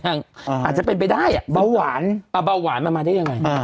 อาจจะเป็นไปได้อ่ะเบาหวานเบาหวานมันมาได้ยังไง